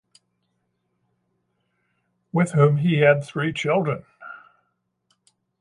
With whom he had three children.